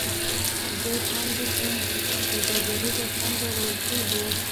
دې پانګې ته سوداګریزه پانګه ویل کېږي